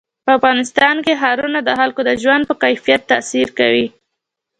په افغانستان کې ښارونه د خلکو د ژوند په کیفیت تاثیر کوي.